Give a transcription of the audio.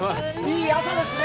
いい朝ですね。